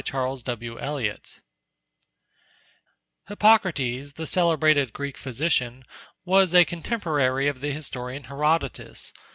Introductory Note HIPPOCRATES, the celebrated Greek physician, was a contemporary of the historian Herodotus.